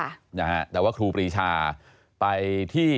แล้วก็แปลว่าครูปรีชาไปที่